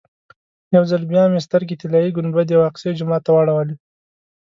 یو ځل بیا مې سترګې طلایي ګنبدې او اقصی جومات ته واړولې.